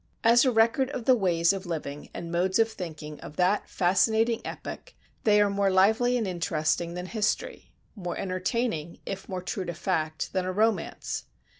As a record of the ways of living and modes of thinking of that fascinating epoch, they are more lively and interesting than history, more entertaining, if more true to fact, than a romance.